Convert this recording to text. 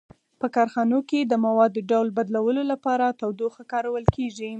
په کارخانو کې د موادو ډول بدلولو لپاره تودوخه کارول کیږي.